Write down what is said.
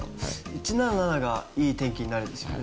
１７７が「いい天気」になるんですよね？